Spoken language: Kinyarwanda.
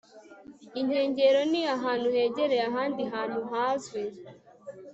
inkengero ni ahantu hegereye ahandi hantu hazwi